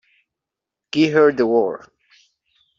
Give her the works.